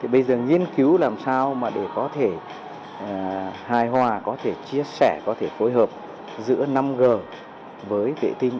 bây giờ nghiên cứu làm sao để có thể hài hòa có thể chia sẻ có thể phối hợp giữa năm g với vệ tinh